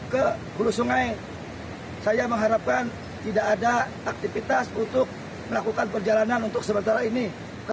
ke hulu sungai saya mengharapkan tidak ada aktivitas untuk melakukan perjalanan untuk sementara ini